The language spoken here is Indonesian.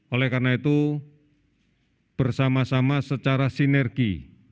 oleh karena itu bersama sama secara sinergi